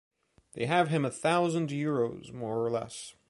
They have him a thousand euros more or less!